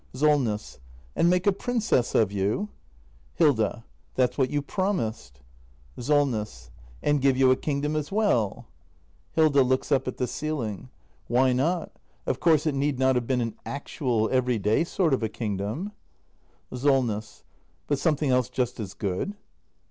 Solness. And make a princess of you ? Hilda. That's what you promised. act i] THE MASTER BUILDER 309 SOLNESS. And give you a kingdom as well ? Hilda. [Looks up at the ceiling.] Why not ? Of course it need not have been an actual, every day sort of a kingdom. Solness. But something else just as good?